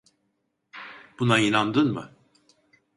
Buna inandın mı?